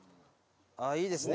ああいいですね